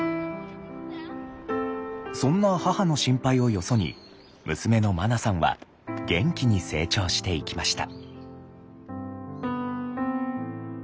そんな母の心配をよそに娘のまなさんは元気に成長していきました。